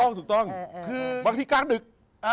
เออถูกต้องบางทีกลางดึก